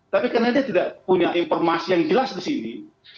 tapi karena dia tidak punya informasi yang jelas di sini